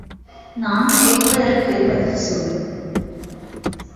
நான் கேட்பதற்குப் பதில் சொல்.